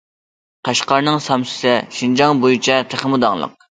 قەشقەرنىڭ سامسىسى شىنجاڭ بويىچە تېخىمۇ داڭلىق.